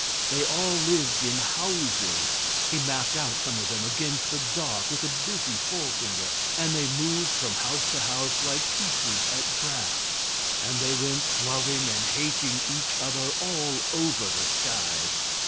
They all lived in Houses he mapped out some of them against the dark with a busy forefinger and they moved from House to House like pieces at draughts; and they went loving and hating each other all over the skies.